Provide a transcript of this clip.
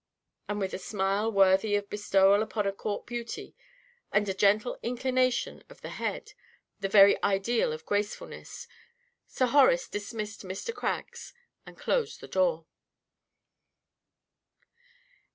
And with a smile worthy of bestowal upon a court beauty, and a gentle inclination of the head, the very ideal of gracefulness, Sir Horace dismissed Mr. Craggs, and closed the door.